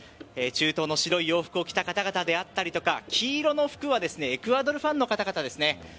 中東の白い洋服を着た方々だったりとか黄色の服はエクアドルファンの方ですね。